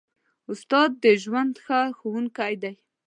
استاد د ژوند ښه ښوونکی دی.